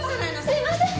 すいません！